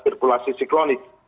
sekolah sisi kronik